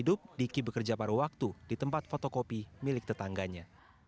diki bekerja baru waktu di tempat fotokopi milik tetangganya